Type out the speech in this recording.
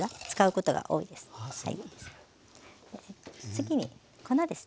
次に粉です。